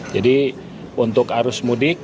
jadi untuk arus mudik